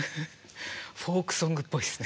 フォークソングっぽいですね。